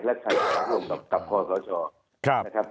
และใครจะร่วมกับคท